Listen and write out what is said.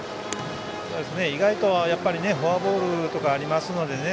意外とフォアボールとかありますのでね